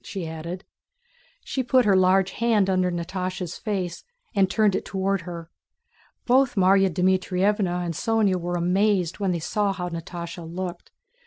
she added. She put her large hand under Natásha's face and turned it toward her. Both Márya Dmítrievna and Sónya were amazed when they saw how Natásha looked.